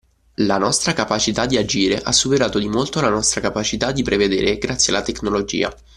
La nostra capacità di agire ha superato di molto la nostra capacità di prevedere grazie alla tecnologia